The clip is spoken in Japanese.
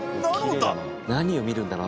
何を見るんだろう？